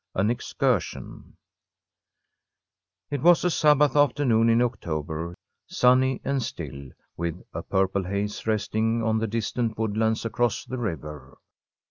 AN EXCURSION IT was a Sabbath afternoon in October, sunny and still, with a purple haze resting on the distant woodlands across the river.